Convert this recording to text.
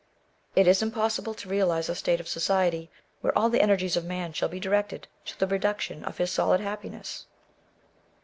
Is it impossible to realize a state of society, where all the energies of man shall be directed to the production of his solid happiness